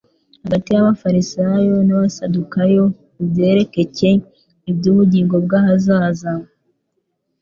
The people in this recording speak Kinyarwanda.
hagati y'abafarisayo n'abasadukayo ku byerekcye iby'ubugingo bw'ahazaza.